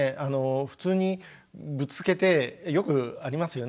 普通にぶつけてよくありますよね。